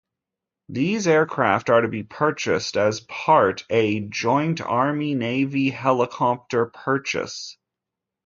These aircraft are to be purchased as part a joint Army-Navy helicopter purchase.